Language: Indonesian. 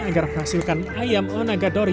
agar menghasilkan ayam onagadori